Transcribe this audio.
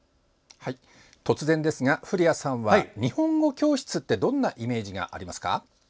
突然ですが、古谷さんは日本語教室ってどんなイメージがありますか？